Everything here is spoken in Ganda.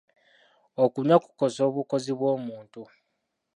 Okunywa kukosa obukozi bw'omuntu.